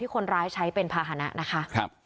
คนร้ายใช้เป็นภาษณะนะคะ